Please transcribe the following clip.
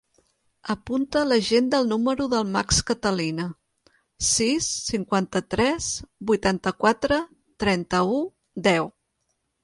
Apunta a l'agenda el número del Max Catalina: sis, cinquanta-tres, vuitanta-quatre, trenta-u, deu.